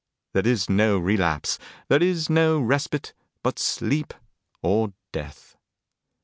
There is no relapse, there is no respite but sleep or death.